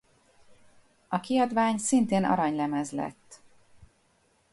A kiadvány szintén aranylemez lett.